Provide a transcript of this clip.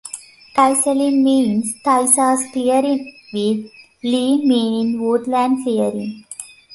Tyseley means "Tyssa's clearing" with "-ley" meaning woodland clearing.